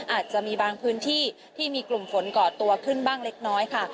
อาจจะมีบางพื้นที่ที่มีกลุ่มฝนก่อตัวขึ้นบ้างเล็กน้อยค่ะ